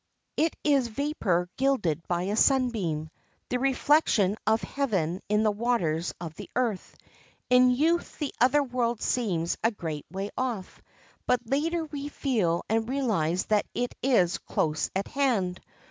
It is vapor gilded by a sunbeam—the reflection of heaven in the waters of the earth. In youth the other world seems a great way off, but later we feel and realize that it is close at hand.